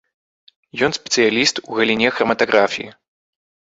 Ён спецыяліст у галіне храматаграфіі.